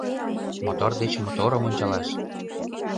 Мотор деч моторым ончалаш.